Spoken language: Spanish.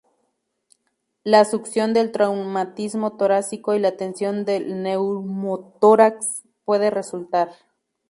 La succión del traumatismo torácico y la tensión del neumotórax puede resultar.